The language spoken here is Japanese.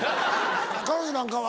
彼女なんかは？